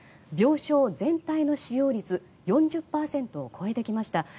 病床全体の使用率４０％を超えてきました。